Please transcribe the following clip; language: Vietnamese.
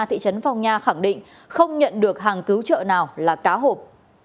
thị trấn phong nha khẳng định không nhận được hàng cứu trợ nào là cá hộp